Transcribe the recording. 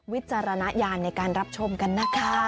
วิจารณญาณในการรับชมกันนะคะ